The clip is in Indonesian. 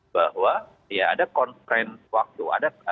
bahwa ya ada conference waktu